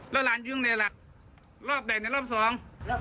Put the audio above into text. แล้วร้านยุ่งเนี่ยละรอบไหนเนี่ยรอบสอง